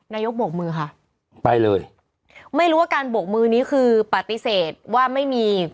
นายกโบกมือค่ะไปเลยไม่รู้ว่าการโบกมือนี้คือปฏิเสธว่าไม่มี